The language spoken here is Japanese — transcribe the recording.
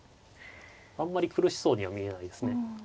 あんまり苦しそうには見えないですね。